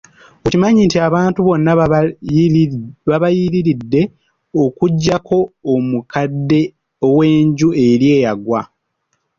Okimanyi nti abantu bonna babayiriridde okuggyako omukadde ow'enju eri eyagwa.